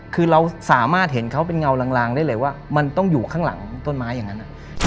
คือเราสามารถเห็นเขาเป็นเงาลางได้เลยว่ามันต้องอยู่ข้างหลังต้นไม้อย่างนั้น